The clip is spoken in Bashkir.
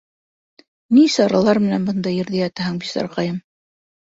Ни саралар менән бында ерҙә ятаһың, бисараҡайым?